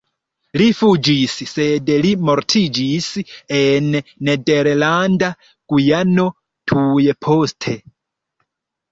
Li fuĝis, sed li mortiĝis en Nederlanda Gujano tuj poste.